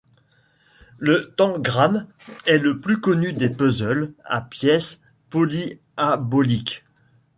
Le Tangram est le plus connu des puzzles à pièces polyaboliques.